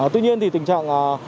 tuy nhiên tình trạng